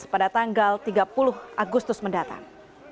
pada tanggal tiga puluh agustus mendatang